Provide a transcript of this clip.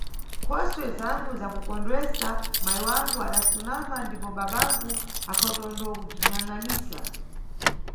Nkhosuwe zangu zakukondwesesa, mayi wangu adasunama ndipo babangu akhatondokubziyangʼanisa.